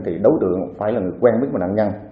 thì đối tượng phải là người quen với một nạn nhân